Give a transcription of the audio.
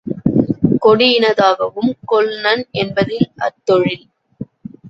கொடியினதாகவும் கொள்நன் என்பதில் அத் தொழில்